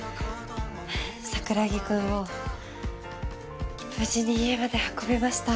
桜木くんを無事に家まで運べました。